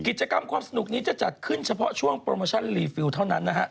กิจกรรมความสนุกนี้จะจัดขึ้นเฉพาะช่วงโปรโมชั่นรีฟิลเท่านั้นนะฮะ